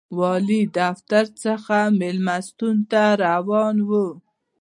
والي دفتر څخه مېلمستون ته روان و.